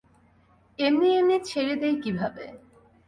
এমনি এমনি ছেড়ে দিই কীভাবে?